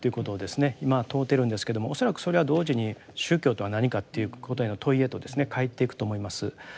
今問うてるんですけども恐らくそれは同時に宗教とは何かということへの問いへとかえっていくと思います。